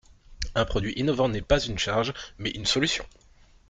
Un produit innovant n’est pas une charge, mais une solution.